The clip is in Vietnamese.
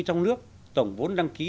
trong nước tổng vốn đăng ký